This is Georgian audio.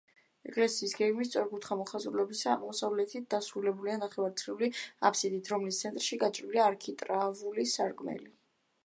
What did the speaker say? ეკლესია გეგმით სწორკუთხა მოხაზულობისაა, აღმოსავლეთით დასრულებულია ნახევარწრიული აბსიდით, რომლის ცენტრში გაჭრილია არქიტრავული სარკმელი.